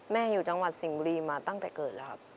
อยู่จังหวัดสิงห์บุรีมาตั้งแต่เกิดแล้วครับ